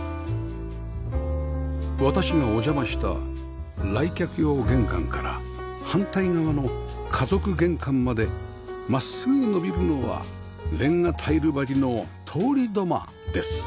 私がお邪魔した来客用玄関から反対側の家族玄関まで真っすぐ延びるのはれんがタイル張りの通り土間です